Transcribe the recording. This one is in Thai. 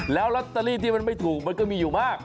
แล้วลอตเตอรี่ที่มันไม่ถูกมันก็มีอยู่มาก